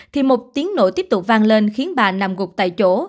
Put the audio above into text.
thì một tiếng nổ tiếp tục vang lên khiến bà nằm gục tại chỗ